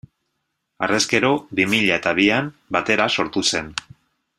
Harrez gero, bi mila eta bian, Batera sortu zen.